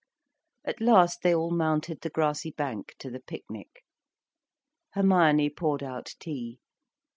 At last they all mounted the grassy bank, to the picnic. Hermione poured out tea.